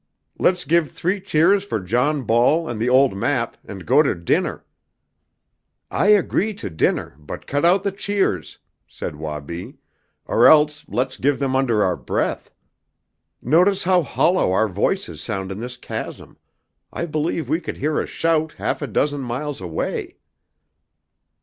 Let's give three cheers for John Ball and the old map, and go to dinner!" "I agree to dinner, but cut out the cheers," said Wabi, "or else let's give them under our breath. Notice how hollow our voices sound in this chasm! I believe we could hear a shout half a dozen miles away!"